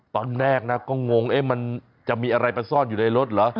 ตอนแรกนะก็งงมันจะมีอะไรมาซ่อนอยู่ในรถเหรอ